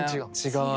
違う。